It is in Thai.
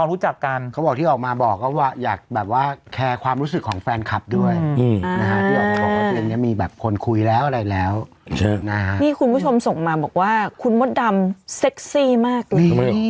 มีแบบคนคุยแล้วอะไรแล้วนี่คุณผู้ชมส่งมาบอกว่าคุณมดดำเซ็กซี่มากเลย